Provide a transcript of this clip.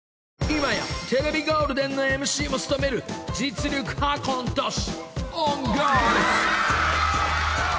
［今やテレビゴールデンのＭＣも務める実力派コント師］